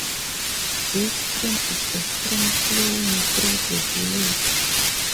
Big Stream is a stream flowing through the village.